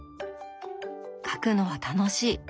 描くのは楽しい。